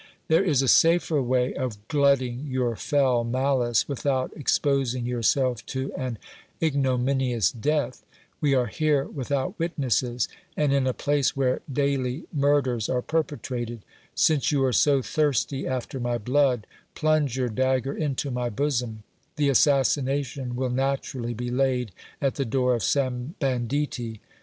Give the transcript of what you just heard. There is a safer way of glutting your fell malice, without exposing yourself to an ignomini ous death ; we are here without witnesses, and in a place where daily murders are perpetrated ; since you are so thirsty after my blood, plunge your dagger into my bosom : the assassination will naturally be laid at the door of some banditti.